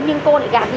nhưng cô lại gạt đi